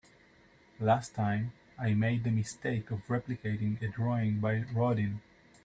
Last time, I made the mistake of replicating a drawing by Rodin.